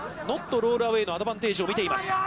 ノットロールアウェイのアドバンテージを見ています。